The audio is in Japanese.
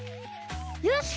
よし！